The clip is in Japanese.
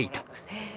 へえ。